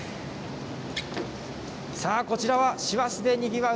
こちらは師走でにぎわう